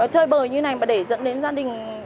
chơi bời như này mà để dẫn đến gia đình